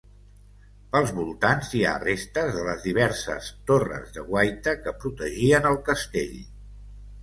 Pels voltants hi ha restes de les diverses torres de guaita que protegien el castell.